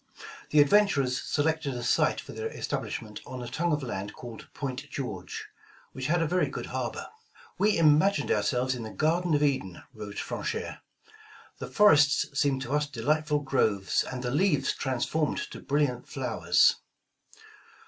The adventurers selected a site for their establishment, on a tongue of land called Point George," which had a very good harbor. "We imagained ourselves in the garden of Eden," wrote Franchere. The forests seemed to us delightful groves, and the leaves transformed to brilliant flowers."